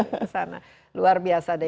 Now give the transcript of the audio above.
kesana luar biasa